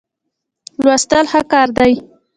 لوستل ښه کار دی.